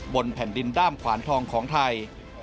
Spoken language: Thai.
บนแผ่นดินด้ามขวานทองของไทย